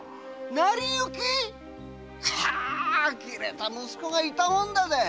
成り行き⁉あきれた息子がいたもんだぜ！